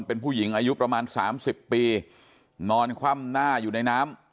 เป็นผู้หญิงอายุประมาณสามสิบปีนอนคว่ำหน้าอยู่ในน้ำ